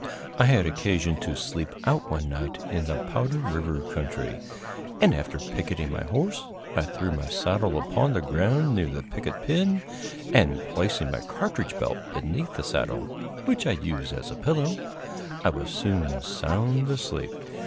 I had occasion to "sleep out" one night in the Powder River country, and, after picketing my horse, I threw my saddle upon the ground near the picket pin, and, placing my cartridge belt beneath the saddle which I used as a pillow I was soon sound asleep.